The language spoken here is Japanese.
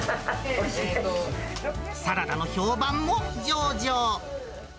サラダの評判も上々。